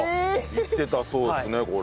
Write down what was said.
行ってたそうですねこれ。